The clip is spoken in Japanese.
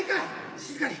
静かに。